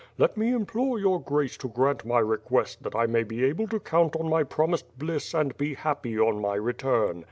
Let me implore Your Grace to grant my request that 1 may be able to count on my promised bliss and be happy on my return.